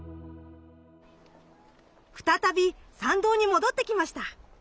再び参道に戻ってきました。